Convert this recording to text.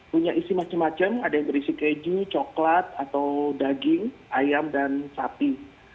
punya isi macam macam ada yang berisi keju coklat atau daging ayam dan sapi